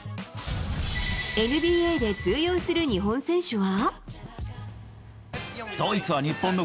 ＮＢＡで通用する日本選手は？